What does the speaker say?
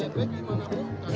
jadi setiap hari ebek gimana